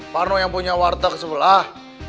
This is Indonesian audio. parno yang punya warteg sebelah